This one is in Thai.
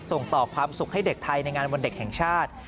ส่งต่อความสุขให้เด็กไทยในงานวันเด็กแห่งชาติ